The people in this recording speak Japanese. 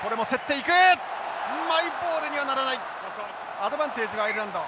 アドバンテージがアイルランド。